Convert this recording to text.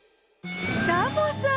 サボさん！